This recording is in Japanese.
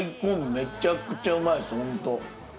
めちゃくちゃうまいっすホント。